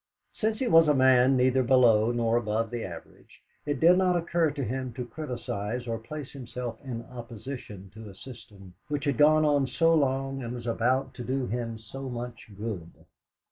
Since he was a man neither below nor above the average, it did not occur to him to criticise or place himself in opposition to a system which had gone on so long and was about to do him so much good.